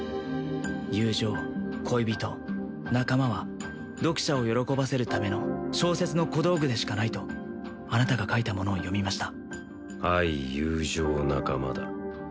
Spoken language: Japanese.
友情恋人仲間は読者を喜ばせるための小説の小道具でしかないとあなたが書いたものを読みました愛友情仲間だ